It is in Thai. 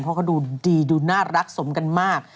เพราะเขาดูดีดูน่ารักสมกันมาก